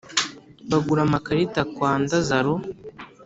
bagura amakarita kwa ndazaro